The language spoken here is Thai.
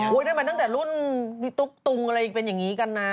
ได้มาตั้งแต่รุ่นพี่ตุ๊กตุงอะไรเป็นอย่างนี้กันนะ